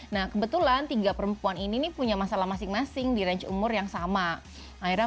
nah kebetulan tiga perempuan ini punya masalah masing masing di range umur yang sama akhirnya